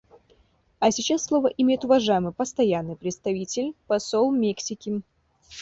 А сейчас слово имеет уважаемый Постоянный представитель посол Мексики.